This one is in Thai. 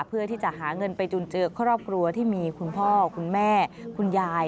เพื่อที่จะหาเงินไปจุนเจือครอบครัวที่มีคุณพ่อคุณแม่คุณยาย